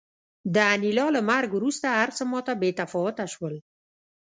د انیلا له مرګ وروسته هرڅه ماته بې تفاوته شول